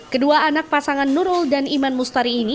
kedua anak pasangan nurul dan iman mustari ini